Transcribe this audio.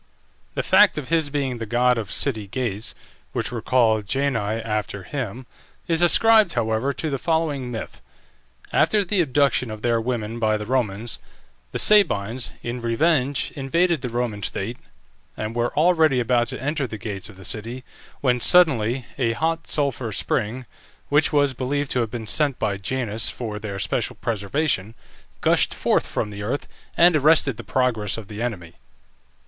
The fact of his being the god of city gates, which were called Jani after him, is ascribed, however, to the following myth: After the abduction of their women by the Romans, the Sabines, in revenge, invaded the Roman state, and were already about to enter the gates of the city, when suddenly a hot sulphur spring, which was believed to have been sent by Janus for their special preservation, gushed forth from the earth, and arrested the progress of the enemy.